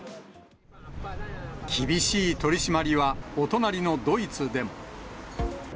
厳しい取締りは、お隣のドイツでも。